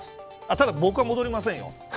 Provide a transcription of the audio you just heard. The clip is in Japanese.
ただ、僕は戻りませんよ。